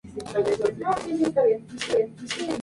Formó parte de la Legión Española durante la marcha verde.